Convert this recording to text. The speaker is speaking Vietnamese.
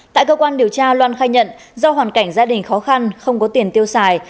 tại cơ quan điều tra loan khai nhận do hoàn cảnh gia đình khó khăn không có tiền tiêu xài